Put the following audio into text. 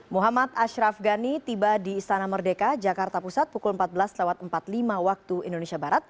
muhammad ashraf ghani tiba di istana merdeka jakarta pusat pukul empat belas empat puluh lima waktu indonesia barat